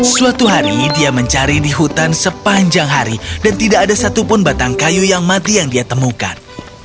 suatu hari dia mencari di hutan sepanjang hari dan tidak ada satupun batang kayu yang mati yang dia temukan